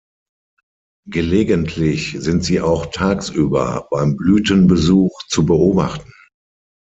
Gelegentlich sind sie auch tagsüber beim Blütenbesuch zu beobachten.